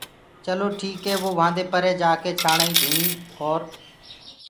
چلو ٺيٚڪي وو وهآنٚدي پري جآڪي ڇآڻآڪي ڌونئيٚ اور